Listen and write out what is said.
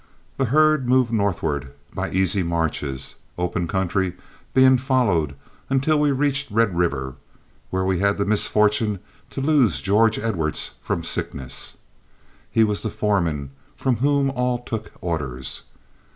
The herd moved northward by easy marches, open country being followed until we reached Red River, where we had the misfortune to lose George Edwards from sickness. He was the foreman from whom all took orders.